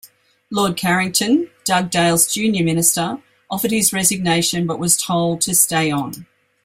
Lord Carrington, Dugdale's junior minister, offered his resignation but was told to stay on.